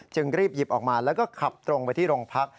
รีบหยิบออกมาแล้วก็ขับตรงไปที่โรงพัก